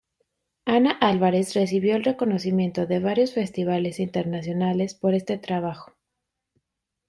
Ana Álvarez recibió el reconocimiento de varios festivales internacionales por este trabajo.